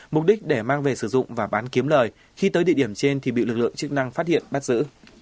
mục đích để mang về sử dụng và bán kiếm lời khi tới địa điểm trên thì bị lực lượng chức năng phát hiện bắt giữ